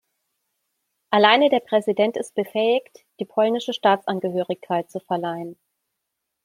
Alleine der Präsident ist befähigt, die polnische Staatsangehörigkeit zu verleihen.